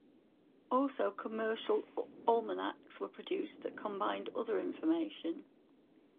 Also commercial almanacs were produced that combined other information.